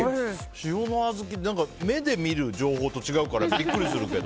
塩の小豆って、目で見る情報と違うからびっくりするけど。